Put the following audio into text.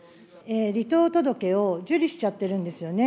離党届を受理しちゃってるんですよね。